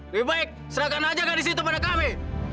lebih baik serahkan aja garis itu pada kami